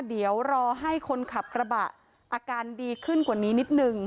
เดี๋ยวรอให้คนขับกระบะอาการดีขึ้นกว่านี้นิดนึง